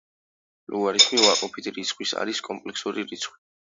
ლოგარითმი უარყოფითი რიცხვის არის კომპლექსური რიცხვი.